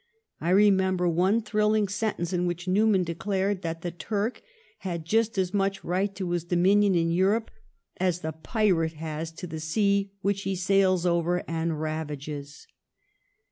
I remember one thrilling sentence in which Newman declared that the Turk had just as much right to his domin ion in Europe as the pirate has to the sea which he sails over and ravages.